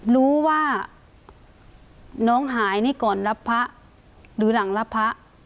รู้ว่าน้องหายนี่ก่อนรับพระหรือหลังรับพระ